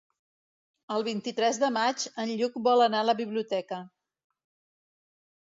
El vint-i-tres de maig en Lluc vol anar a la biblioteca.